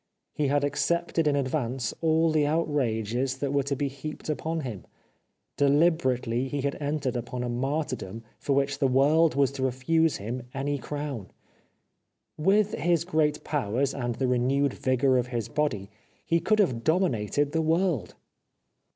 He had accepted in advance all the outrages that were to be heaped upon him ; deliberately he had entered upon a martyrdom for which the world was to refuse him any crown. With liis great powers and the renewed vigour of his body he could have dominated the world.